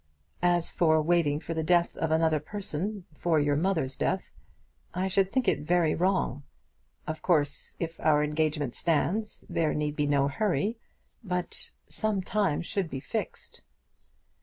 "As for waiting for the death of another person, for your mother's death, I should think it very wrong. Of course, if our engagement stands there need be no hurry; but some time should be fixed."